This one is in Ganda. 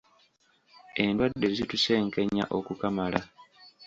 Endwadde zitusenkenya okukamala.